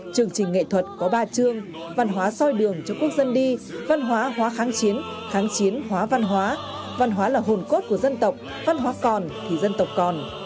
chương trình nghệ thuật có ba chương văn hóa soi đường cho quốc dân đi văn hóa hóa kháng chiến kháng chiến hóa văn hóa văn hóa là hồn cốt của dân tộc văn hóa còn thì dân tộc còn